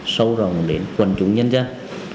sâu rộng đến quần chúng nhân dân